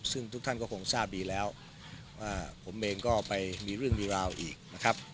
ซึ่งทุกท่านก็คงทราบดีแล้วว่าผมเองก็ไปมีเรื่องมีราวอีกนะครับ